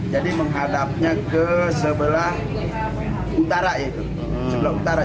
jadi menghadapnya ke sebelah utara itu sebelah utara